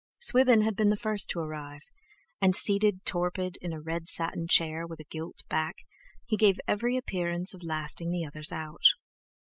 Swithin had been the first to arrive, and seated torpid in a red satin chair with a gilt back, he gave every appearance of lasting the others out.